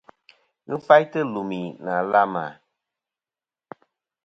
Ghɨ faytɨ lùmì nɨ̀ àlamà.